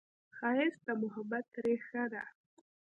ښایست د محبت ریښه ده